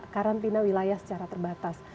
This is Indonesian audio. karantina wilayah secara terbatas